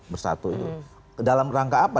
bersatu itu dalam rangka apa